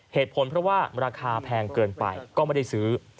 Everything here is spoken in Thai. เหตุผลเพราะว่าราคาแพงเกินไปก็ไม่ได้ซื้อ